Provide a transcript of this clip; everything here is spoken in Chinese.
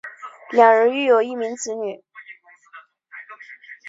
两人育有一名子女。